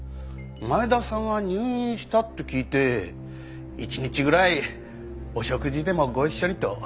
前田さんは入院したって聞いて１日ぐらいお食事でもご一緒にと誘ってみたんです。